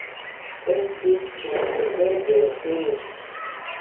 Estis necesege fini.